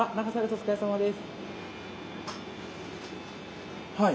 お疲れさまです。